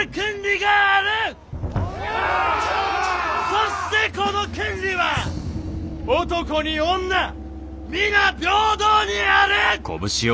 そしてこの権利は男に女皆平等にある！